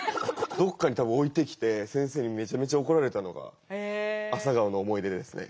どこかに多分置いてきて先生にめちゃめちゃ怒られたのがアサガオの思い出ですね。